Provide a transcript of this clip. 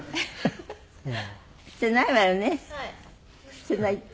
してないって。